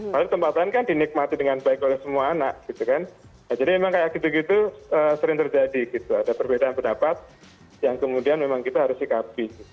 padahal tempat lain kan dinikmati dengan baik oleh semua anak gitu kan jadi memang kayak gitu gitu sering terjadi gitu ada perbedaan pendapat yang kemudian memang kita harus sikapi